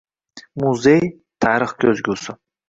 Muzey − tarix koʻzgusi